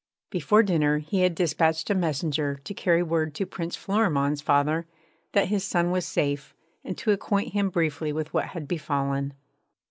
Before dinner he had dispatched a messenger to carry word to Prince Florimond's father, that his son was safe, and to acquaint him briefly with what had befallen.